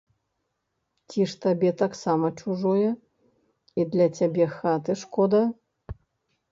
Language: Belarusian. Ці ж табе таксама чужое і для цябе хаты шкода?